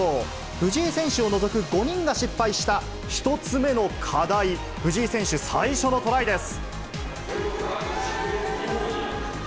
藤井選手を除く５人が失敗した１つ目の課題、藤井選手、最初のトライです。